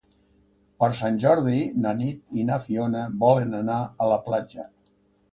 Per Sant Jordi na Nit i na Fiona volen anar a la platja.